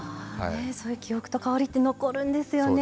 そういう記憶と香りって残るんですよね。